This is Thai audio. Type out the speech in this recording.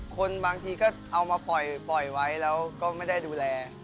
คนบางทีก็เอามาปล่อยไว้แล้วก็ไม่ได้ดูแล